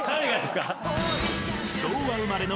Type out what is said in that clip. ［昭和生まれの］